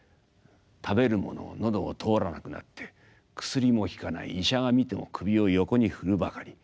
食べる物も喉を通らなくなって薬も効かない医者が診ても首を横に振るばかり。